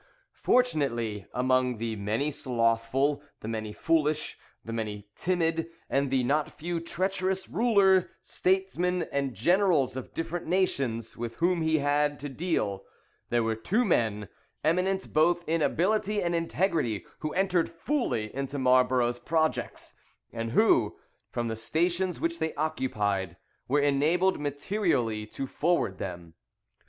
Fortunately, among the many slothful, the many foolish, the many timid, and the not few treacherous rulers, statesmen, and generals of different nations with whom he had to deal, there were two men, eminent both in ability and integrity, who entered fully into Marlborough's projects, and who, from the stations which they occupied, were enabled materially to forward them.